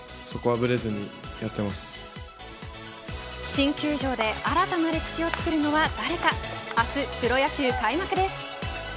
新球場で新たな歴史を作るのは誰か明日、プロ野球開幕です。